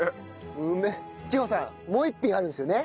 千穂さんもう一品あるんですよね。